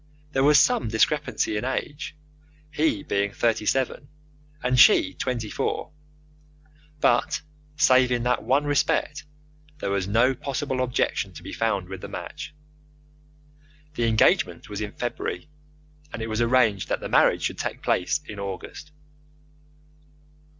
There was some discrepancy in age, he being thirty seven, and she twenty four; but, save in that one respect, there was no possible objection to be found with the match. The engagement was in February, and it was arranged that the marriage should take place in August.